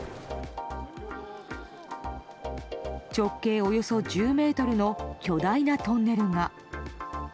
直径およそ１０ｍの巨大なトンネルが。